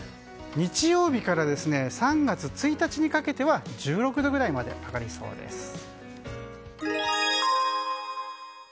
日曜日から３月１日にかけては１６度くらいまで上がりそうです。